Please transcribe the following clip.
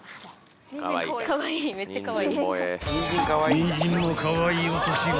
［ニンジンもカワイイお年頃ね］